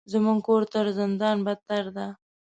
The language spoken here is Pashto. زموږ کور تر زندان بدتر ده.